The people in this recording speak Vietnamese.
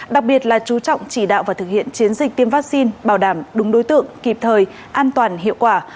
đặc biệt là chú trọng chỉ đạo và thực hiện chiến dịch tiêm vaccine bảo đảm đúng đối tượng kịp thời an toàn hiệu quả